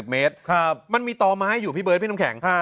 ๑เมตรมันมีต่อไม้อยู่พี่เบิร์ดพี่น้ำแข็ง